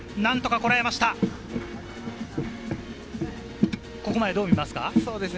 ここまでどう見ますか？